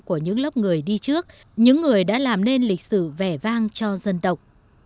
của những lớp người đi trước những người đã làm nên lịch sử vẻ vang cho dân tộc